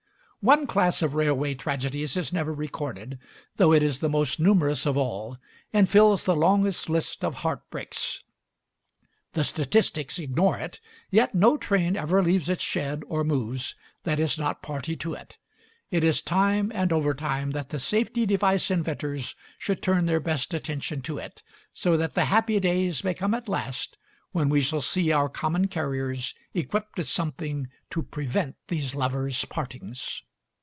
One class of railway tragedies is never recorded, though it is the most numerous of all and fills the longest list of heartbreaks; the statics ignore it, yet no train ever leaves its shed, or moves, that is not party to it. It is time and overtime that the safety device inventors should turn their best attention to it, so that the happy day may come at last when we shall see our common carriers equipped with some thing to prevent these lovers' partings.